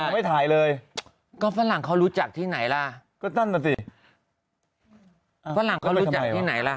ไม่ถ่ายเลยก็ฝรั่งเขารู้จักที่ไหนล่ะก็นั่นน่ะสิฝรั่งเขารู้จักที่ไหนล่ะ